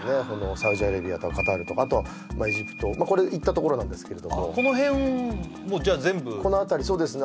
サウジアラビアとかカタールとかあとエジプトこれ行ったところなんですけれどもこの辺をじゃあ全部このあたりそうですね